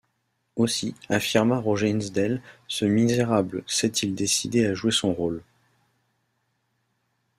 Aussi, affirma Roger Hinsdale, ce misérable s’est-il décidé à jouer son rôle...